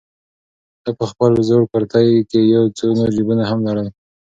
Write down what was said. ده په خپل زوړ کورتۍ کې یو څو نور جېبونه هم لرل.